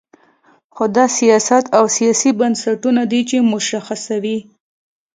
خو دا سیاست او سیاسي بنسټونه دي چې مشخصوي.